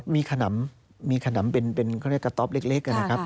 มีขนำมีขนำเป็นกระต๊อบเล็กนะครับ